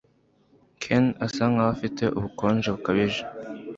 Ken asa nkaho afite ubukonje bukabije